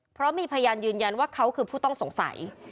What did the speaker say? เพราะมีพยานยืนยันว่าเขาคือผู้ต้องสงสัย